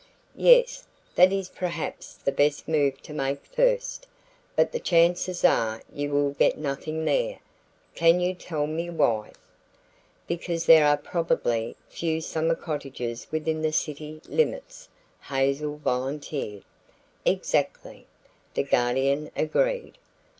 "Yes, that is perhaps the best move to make first. But the chances are you will get nothing there. Can you tell me why?" "Because there are probably few summer cottages within the city limits," Hazel volunteered. "Exactly," the Guardian agreed.